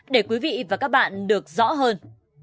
để quý vị và các bạn được rõ hơn